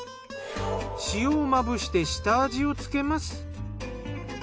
塩をまぶして下味をつけます。